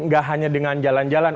gak hanya dengan jalan jalan